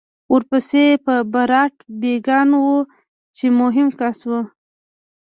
ورپسې به رابرټ بېکان و چې مهم کس و